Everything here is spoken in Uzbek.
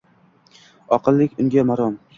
Oqlik edi unga marom.